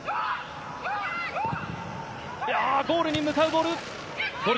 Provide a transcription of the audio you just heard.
ゴールに向かうボール。